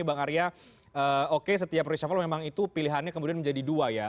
bang arya oke setiap reshuffle memang itu pilihannya kemudian menjadi dua ya